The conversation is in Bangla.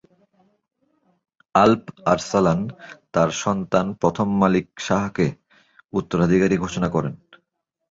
আল্প আরসালান তার সন্তান প্রথম মালিক শাহকে উত্তরাধিকারী ঘোষণা করেন।